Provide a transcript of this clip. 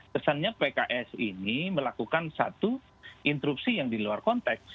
kesannya pks ini melakukan satu instruksi yang di luar konteks